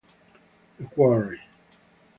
The Quarry